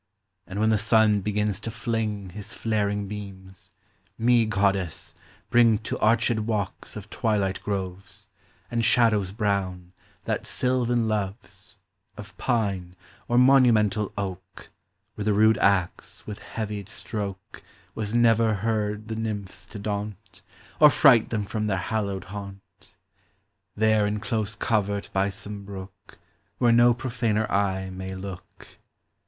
And when the sun begins to fling His flaring beams, me, goddess, bring To arched walks of twilight groves, And shadows brown, that Sylvan loves, Of pine, or monumental oak, Where the rude axe with heaved stroke Was never heard the Nymphs to daunt, Or fright them from their hallowed haunt. There in close covert by some brook, Where no profaner eye may look.